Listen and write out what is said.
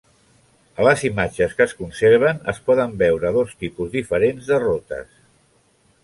A les imatges que es conserven es poden veure dos tipus diferents de rotes.